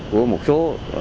của một số